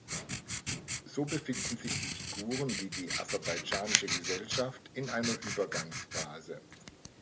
So befinden sich die Figuren wie die aserbaidschanische Gesellschaft in einer Übergangsphase.